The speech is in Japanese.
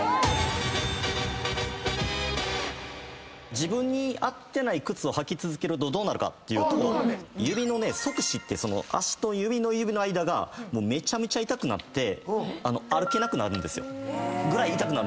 自分に合ってない靴履き続けるとどうなるかっていうと指の足趾指と指の間がめちゃめちゃ痛くなって歩けなくなるんですよ。ぐらい痛くなるんですよ。